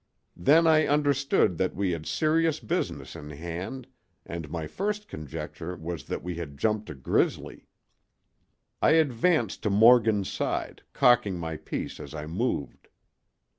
Then I understood that we had serious business in hand and my first conjecture was that we had 'jumped' a grizzly. I advanced to Morgan's side, cocking my piece as I moved.